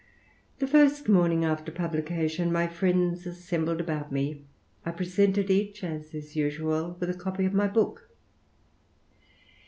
The first morning after publication my friends assembled about me ; I presented each, as is usual, with a copy of my book.